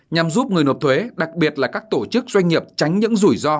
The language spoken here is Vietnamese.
nhằm giúp người nộp thuế đặc biệt là các tổ chức doanh nghiệp tránh những rủi ro